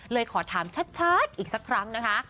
เลยขอถามชัดอีกสักครั้งนะคะ